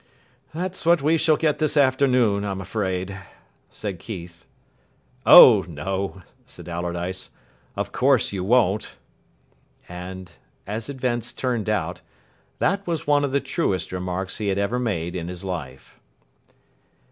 "That's what we shall get this afternoon, I'm afraid," said Keith. "Oh, no," said Allardyce. "Of course you won't." And, as events turned out, that was one of the truest remarks he had ever made in his life.